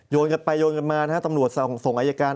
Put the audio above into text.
โยนกันไปโยนกันมาตำรวจส่งอายการ